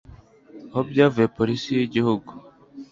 Aho byavuye Polisi y Igihugu